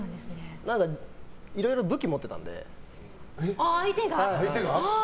いろいろ武器持ってたので。